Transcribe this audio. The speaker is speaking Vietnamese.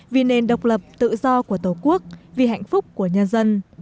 vì nền độc lập tự do của tổ quốc vì hạnh phúc của nhân dân